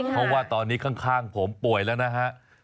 เพราะว่าตอนนี้ข้างผมป่วยแล้วนะฮะ